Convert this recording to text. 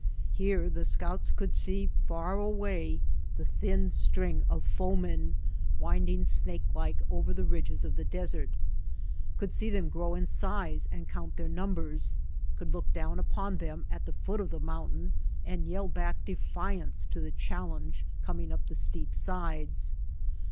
Here the scouts could see far away the thin string of foemen winding snake like over the ridges of the desert, could see them grow in size and count their numbers, could look down upon them at the foot of the mountain and yell back defiance to the challenge coming up the steep sides.